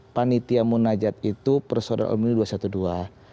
panitia munajat itu persaudara umumnya dua ratus dua belas